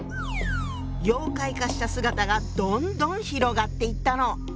妖怪化した姿がどんどん広がっていったの。